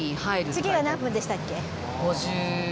次が何分でしたっけ？